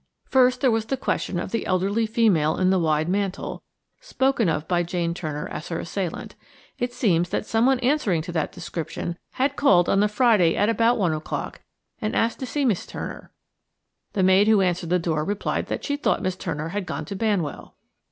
First, there was the question of the elderly female in the wide mantle, spoken of by Jane Turner as her assailant. It seems that someone answering to that description had called on the Friday at about one o'clock, and asked to see Miss Turner. The maid who answered the door replied that she thought Miss Turner had gone to Banwell.